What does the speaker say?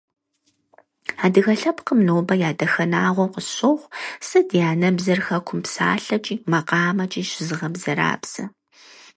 Адыгэ лъэпкъым нобэ я дахэнагъуэу къысщохъу сэ ди анэбзэр хэкум псалъэкӀи макъамэкӀи щызыгъэбзэрабзэ.